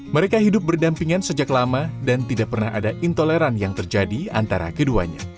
mereka hidup berdampingan sejak lama dan tidak pernah ada intoleran yang terjadi antara keduanya